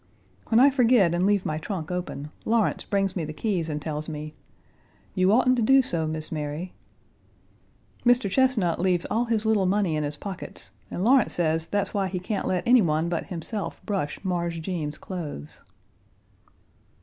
When I forget and leave my trunk open, Lawrence brings me the keys and tells me, "You oughten to do so, Miss Mary." Mr. Chesnut leaves all his little money in his pockets, and Lawrence says that's why he can't let any one but himself brush Mars Jeems's clothes.